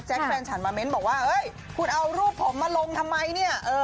แฟนฉันมาเม้นบอกว่าเฮ้ยคุณเอารูปผมมาลงทำไมเนี่ย